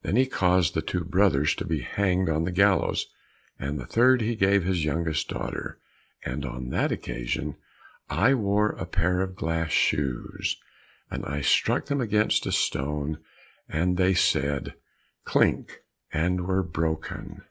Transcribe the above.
Then he caused the two brothers to be hanged on the gallows, and to the third he gave his youngest daughter, and on that occasion I wore a pair of glass shoes, and I struck them against a stone, and they said, "Klink," and were broken.